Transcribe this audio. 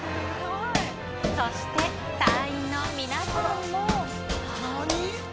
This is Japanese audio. そして隊員の皆さんも。